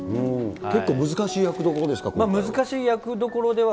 結構難しい役どころですか。